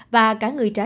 và cả người trả lời